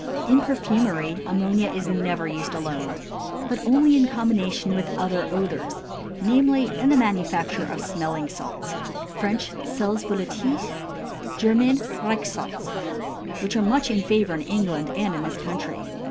In perfumery ammonia is never used alone, but only in combination with other odors, namely, in the manufacture of smelling salts (French: sels volatils; German: Riechsalze), which are much in favor in England and in this country.